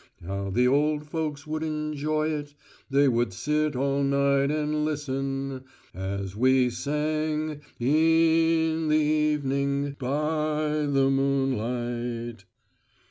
How the ole folks would injoy it; they would sit all night an' lis sun, As we sang I I N the evening BY Y Y the moonlight.'